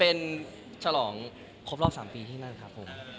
เป็นฉลองครบรอบ๓ปีที่นั่นครับผม